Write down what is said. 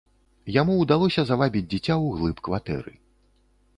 Яму ўдалося завабіць дзіця ўглыб кватэры.